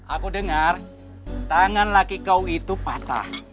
aku dengar tangan laki kau itu patah